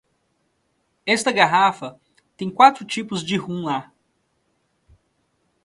Esta garrafa tem quatro tipos de rum lá.